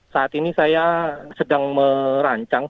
saat ini saya sedang merancang